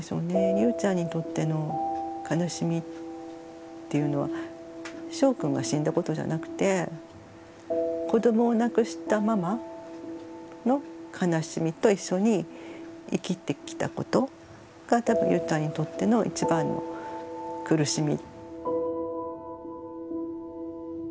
ゆうちゃんにとっての悲しみっていうのはしょうくんが死んだことじゃなくて子どもを亡くしたママの悲しみと一緒に生きてきたことが多分ゆうちゃんにとっての一番の苦しみ。